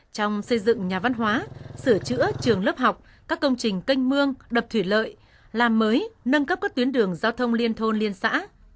trong xây dựng nhà văn hóa sửa chữa trường lớp học các công trình canh mương đập thủy lợi làm mới nâng cấp các tuyến đường giao thông liên thôn liên xã